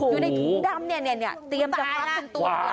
อยู่ในถุงดำเนี่ยเนี่ยเนี่ยเตรียมจากฟ้าคุณตัว